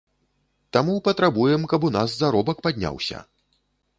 Таму патрабуем, каб у нас заробак падняўся.